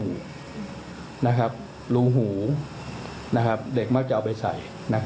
อยู่เรื่อยอีกอันหนึ่งก็จะเป็นช่องจมูกรูหูเด็กมักจะเอาไปใส่